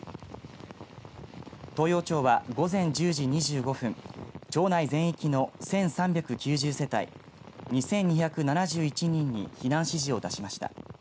東洋町は午前１０時２５分町内全域の１３９０世帯２２７１人に避難指示を出しました。